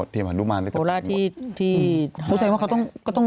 เพราะว่าก็เป็นทีมที่ลงพื้นที่